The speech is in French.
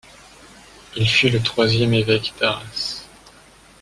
Il fut le troisième évêque d'Arras.